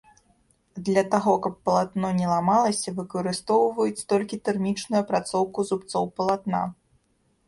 Для таго, каб палатно не ламалася, выкарыстоўваюць толькі тэрмічную апрацоўку зубцоў палатна.